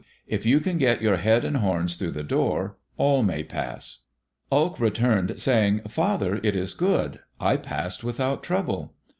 If you can get your head and horns through the door, all may pass." Elk returned saying, "Father, it is good. I passed without trouble."